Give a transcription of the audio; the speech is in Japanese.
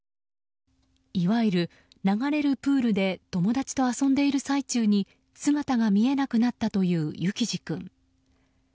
いわゆる流れるプールで友達と遊んでいる最中に姿が見えなくなったという幸士君。